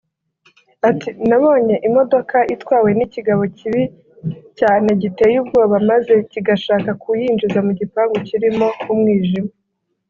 Ati “Nabonye imodoka itwawe n’ikigabo kibi cyane giteye ubwoba maze kigashaka kuyinjiza mu gipangu kirimo umwijima